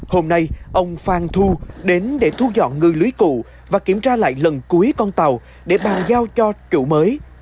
hôm nay ông phan thu đến để thu dọn ngư lưới cụ và kiểm tra lại lần cuối con tàu để bàn giao cho chủ mới